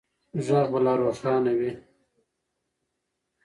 غږ به لا روښانه وي.